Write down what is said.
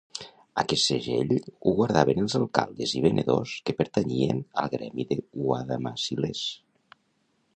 Aquest segell ho guardaven els alcaldes i venedors que pertanyien al gremi de guadamassilers.